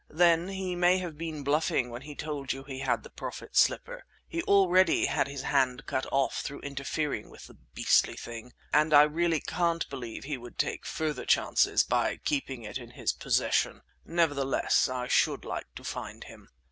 Then, he may have been bluffing when he told you he had the Prophet's slipper. He's already had his hand cut off through interfering with the beastly thing, and I really can't believe he would take further chances by keeping it in his possession. Nevertheless, I should like to find him."